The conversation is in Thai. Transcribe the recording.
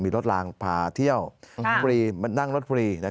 มีรถรางพาเที่ยวนั่งรถฟรี